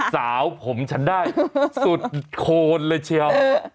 สาวผมฉันได้สุดโคนเลยเชียว